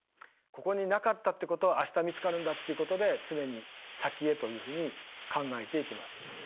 ここになかったっていうことは明日見つかるんだっていうことで常に先へというふうに考えていきます。